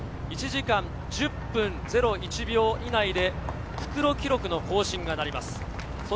１時間１０分０１秒以内で復路記録の更新となります。